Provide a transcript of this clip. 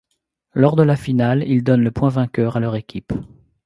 Lors de la finale, ils donnent le point vainqueur à leur équipe.